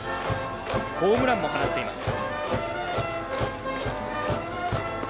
ホームランも放っています。